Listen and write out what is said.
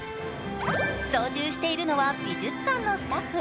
操縦しているのは美術館のスタッフ。